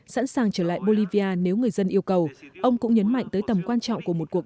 sẵn sàng trở lại bolivia nếu người dân yêu cầu ông cũng nhấn mạnh tới tầm quan trọng của một cuộc